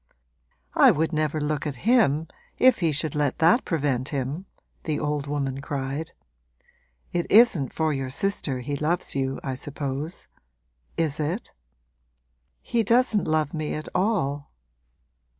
'I would never look at him if he should let that prevent him!' the old woman cried. 'It isn't for your sister he loves you, I suppose; is it?' 'He doesn't love me at all.'